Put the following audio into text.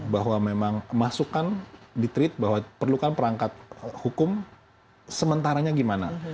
bahwa memang masukan di tweet bahwa perlukan perangkat hukum sementaranya gimana